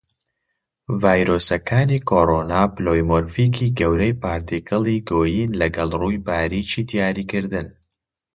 ڤایرۆسەکانی کۆڕۆنا پلۆیمۆرفیکی گەورەی پارتیکڵی گۆیین لەگەڵ ڕووی باریکی دیاریکردن.